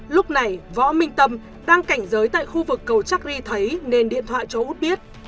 lúc này võ minh tâm đang cảnh giới tại khu vực cầu trác ri thấy nền điện thoại cho út biết